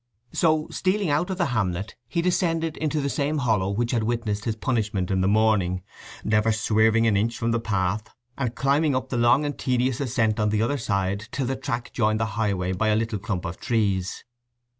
So, stealing out of the hamlet, he descended into the same hollow which had witnessed his punishment in the morning, never swerving an inch from the path, and climbing up the long and tedious ascent on the other side till the track joined the highway by a little clump of trees.